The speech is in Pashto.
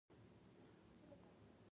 چي د سترګو څار کېدی غوړي مرغې وې